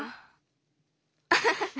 アハハ。